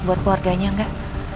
buat keluarganya gak